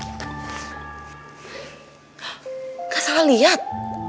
enggak salah lihat